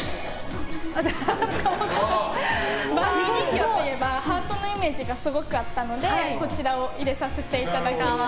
バービーといえばハートのイメージがすごくあったので入れさせていただきました。